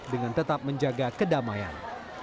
dengan tetap menjaga kedamaian